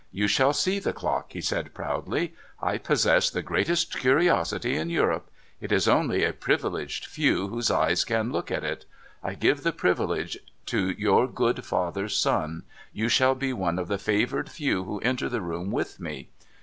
' You shall see the clock,' he said proudly. ' I possess the greatest curiosity in Europe. It is only a privileged few whose eyes can look at it. I give the privilege to your good father's son — you shall be one of the favoured few who enter the room with me.